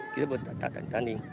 kita tak tanding